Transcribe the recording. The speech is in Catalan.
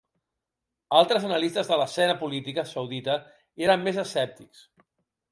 Altres analistes de l'escena política saudita eren més escèptics.